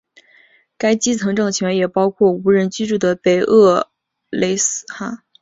该基层政权也包括无人居住的北厄勒哈克斯。